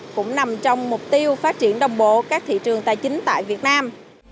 cũng nằm trong mục tiêu phát triển đồng bộ các thị trường tài chính tại việt nam